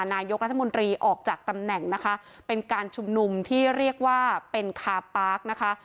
นายกรัฐมนตรีออกจากตำแหน่งนะคะเป็นการชุมนุมที่เรียกว่าเป็นคาปาร์คนะคะ